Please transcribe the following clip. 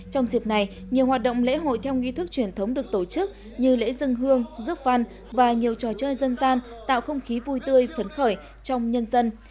trong dịp này nhiều hoạt động lễ hội theo nghi thức truyền thống được tổ chức như lễ dân hương rước văn và nhiều trò chơi dân gian tạo không khí vui tươi phấn khởi trong nhân dân